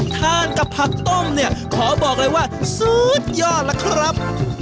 ทานกับผักต้มเนี่ยขอบอกเลยว่าสุดยอดล่ะครับ